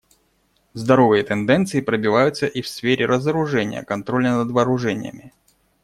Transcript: Здоровые тенденции пробиваются и в сфере разоружения, контроля над вооружениями.